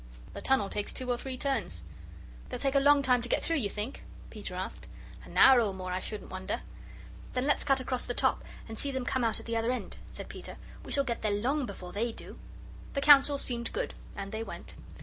The tunnel takes two or three turns." "They'll take a long time to get through, you think?" Peter asked. "An hour or more, I shouldn't wonder." "Then let's cut across the top and see them come out at the other end," said Peter; "we shall get there long before they do." The counsel seemed good, and they went.